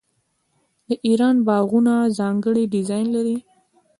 د ایران باغونه ځانګړی ډیزاین لري.